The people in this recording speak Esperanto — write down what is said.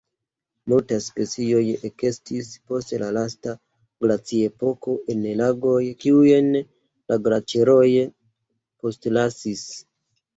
Multaj specioj ekestis post la lasta glaciepoko en lagoj kiujn la glaĉeroj postlasis.